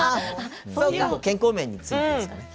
健康面についてですね。